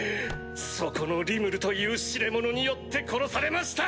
そこのリムルという痴れ者によって殺されました！